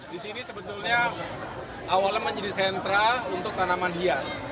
di sini sebetulnya awalnya menjadi sentra untuk tanaman hias